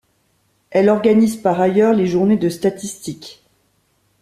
Elle organise par ailleurs les journées de statistique.